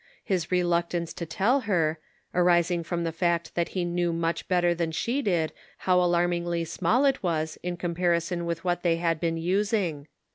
His reluctance to tell her, arising from the fact that he knew much better than she did, how alarmingly small it was in com parison with what they had been using.